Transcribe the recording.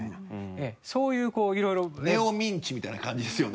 そういうこう色々。ネオミンチみたいな感じですよね？